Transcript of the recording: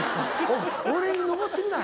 俺に登ってみない？